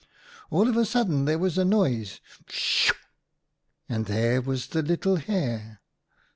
" All of a sudden there was a noise — sh h h h h — and there was the Little Hare.